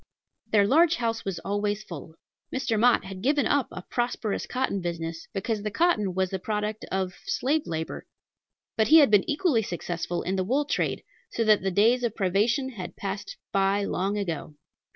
Their large house was always full. Mr. Mott had given up a prosperous cotton business, because the cotton was the product of slave labor; but he had been equally successful in the wool trade, so that the days of privation had passed by long ago.